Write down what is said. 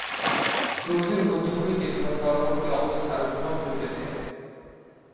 ক্রোধের মধ্য হইতে তোমার পরবর্তী অবস্থার উদ্ভব হইতেছে।